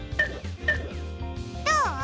どう？